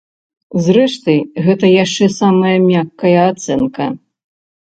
Зрэшты, гэта яшчэ самая мяккая ацэнка.